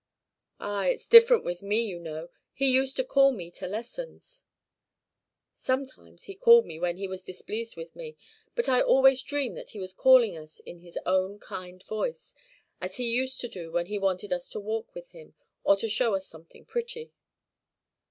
"Ah, it's different with me, you know. He used to call me to lessons." "Sometimes he called me when he was displeased with me. But I always dream that he was calling us in his own kind voice, as he used to do when he wanted us to walk with him, or to show us something pretty."